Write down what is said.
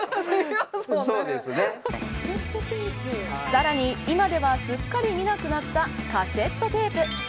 さらに今ではすっかり見なくなったカセットテープ。